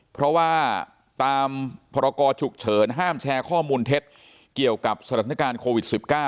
เพราะว่าตามพรกรฉุกเฉินห้ามแชร์ข้อมูลเท็จเกี่ยวกับสถานการณ์โควิด๑๙